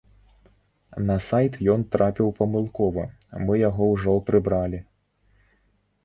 На сайт ён трапіў памылкова, мы яго ўжо прыбралі.